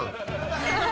アハハハ。